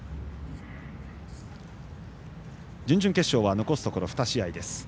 準々決勝は残すところ２試合です。